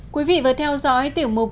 quý vị vừa theo dõi tiểu mục